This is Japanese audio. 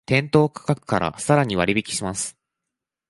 店頭価格からさらに割引します